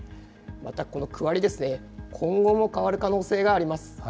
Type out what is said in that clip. またこの区割りですね、今後も変わる可能性があります。